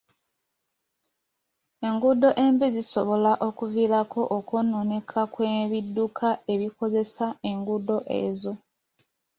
Enguudo embi zisobola okuviirako okwonooneka kw'ebidduka ebikozesa enguudo ezo.